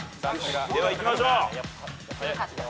ではいきましょう。